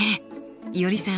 いおりさん